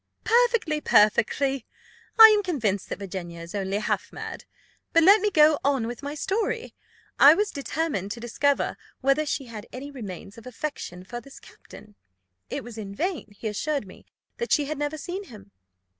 "Perfectly! perfectly! I am convinced that Virginia is only half mad. But let me go on with my story. I was determined to discover whether she had any remains of affection for this captain. It was in vain he assured me that she had never seen him.